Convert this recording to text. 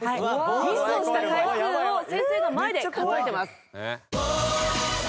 ミスをした回数を先生が前で数えてます。